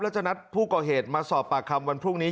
แล้วจะนัดผู้ก่อเหตุมาสอบปากคำวันพรุ่งนี้